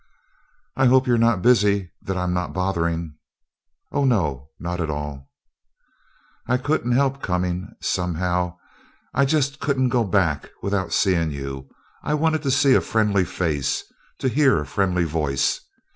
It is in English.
"I hope you're not busy that I'm not bothering?" "Oh, no not at all." "I couldn't help coming, somehow I just couldn't go back without seeing you. I wanted to see a friendly face to hear a friendly voice."